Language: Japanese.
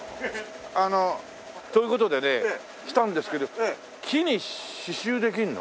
あのという事でね来たんですけど木に刺繍できるの？